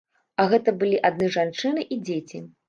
А гэта былі адны жанчыны і дзеці.